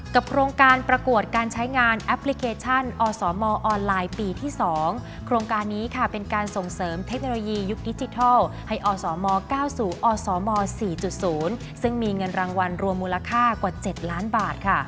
โครงการประกวดการใช้งานแอปพลิเคชันอสมออนไลน์ปีที่๒โครงการนี้ค่ะเป็นการส่งเสริมเทคโนโลยียุคดิจิทัลให้อสม๙สู่อสม๔๐ซึ่งมีเงินรางวัลรวมมูลค่ากว่า๗ล้านบาทค่ะ